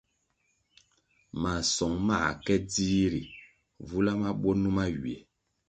Masong mā ke dzih, ri vula mabwo numa ywiè.